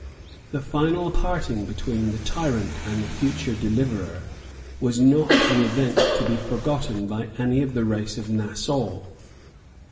The final parting between the tyrant and the future deliverer was not an event to be forgotten by any of the race of Nassau.